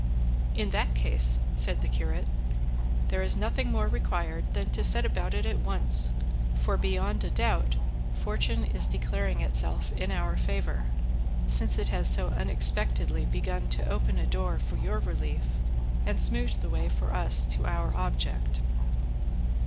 "In that case," said the curate, "there is nothing more required than to set about it at once, for beyond a doubt fortune is declaring itself in our favour, since it has so unexpectedly begun to open a door for your relief, and smoothed the way for us to our object."